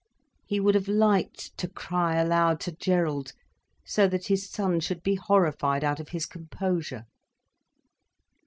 He would have liked to cry aloud to Gerald, so that his son should be horrified out of his composure.